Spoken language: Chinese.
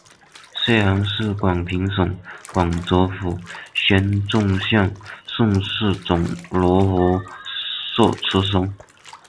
谢涵是广平省广泽府宣政县顺示总罗河社出生。